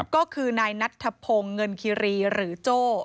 ก็คือนายนัทธพงศ์เงินคิรีหรือโจ้